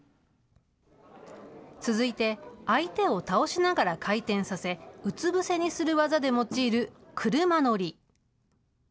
続いて、相手を倒しながら回転させ、うつ伏せにする技で用いる車の理。